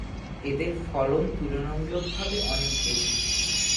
এদের ফলন তুলনামূলকভাবে অনেক বেশি।